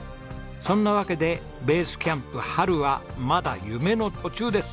そんなわけでベースキャンプはるはまだ夢の途中です。